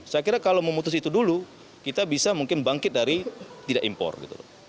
saya kira kalau memutus itu dulu kita bisa mungkin bangkit dari tidak impor gitu loh